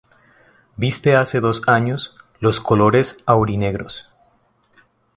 Viste hace dos años los colores aurinegros.